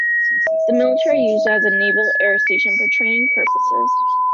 The military used it as a naval air station for training purposes.